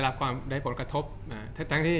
จากความไม่เข้าจันทร์ของผู้ใหญ่ของพ่อกับแม่